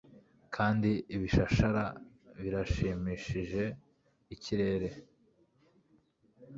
kandi ibishashara birashimishije ikirere